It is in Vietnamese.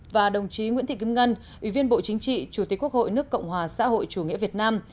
và đồng chí nguyễn thị kim ngân ủy viên bộ chính trị chủ tịch quốc hội nước cộng hòa xã hội chủ nghĩa việt nam